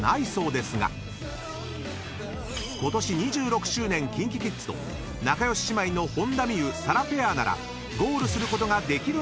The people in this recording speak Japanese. ［ことし２６周年ＫｉｎＫｉＫｉｄｓと仲良し姉妹の本田望結・紗来ペアならゴールすることができるんじゃないか］